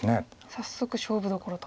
早速勝負どころと。